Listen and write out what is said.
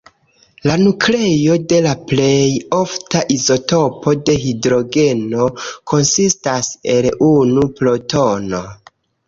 La nukleo de la plej ofta izotopo de hidrogeno konsistas el unu protono.